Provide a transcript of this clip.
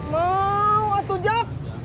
mau atu jak